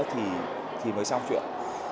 thì mới xong chuyện